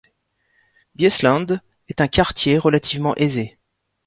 Biesland est un quartier relativement aisé.